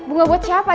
bunga buat siapa